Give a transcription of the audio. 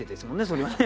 それはね。